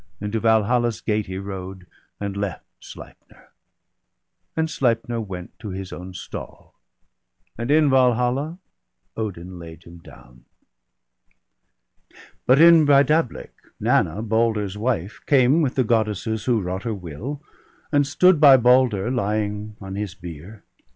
And to Valhalla's gate he rode, and left Sleipner ; and Sleipner \vent to his own stall ; And in Valhalla Odin laid him down. But in Breidablik Nanna, Balder's wife. Came with the Goddesses who wrought her will, And stood by Balder lying on his bier.